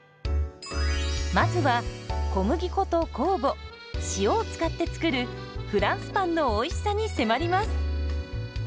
まずは小麦粉と酵母塩を使って作るフランスパンのおいしさに迫ります。